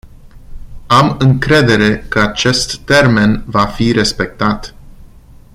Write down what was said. Am încredere că acest termen va fi respectat.